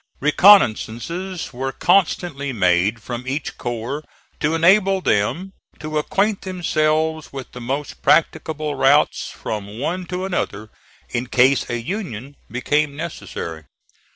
Reconnoissances were constantly made from each corps to enable them to acquaint themselves with the most practicable routes from one to another in case a union became necessary.